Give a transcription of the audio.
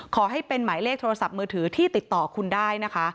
ขอให้เป็นหมายเลขโทรศัพท์มือถือที่ติดต่อคุณได้นะคะ